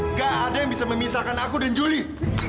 nggak ada yang bisa memisahkan aku dan juli